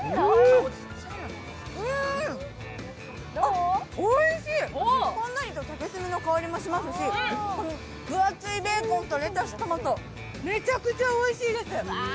あっ、おいしい、ほんのりと竹炭の香りもしますし、分厚いベーコンとレタス、トマト、めちゃくちゃおいしいです。